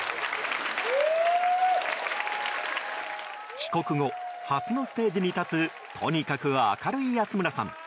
帰国後、初のステージに立つとにかく明るい安村さん。